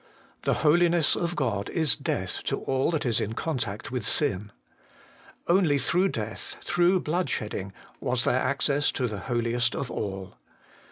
The Holiness of God is death to all that is in contact with sin. Only through death, through blood shedding, was there access to the Holiest of all.